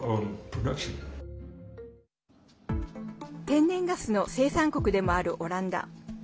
天然ガスの生産国でもあるオランダ。